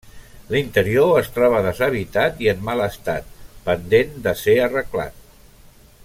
L’interior es troba deshabitat i en mal estat, pendent de ser arreglat.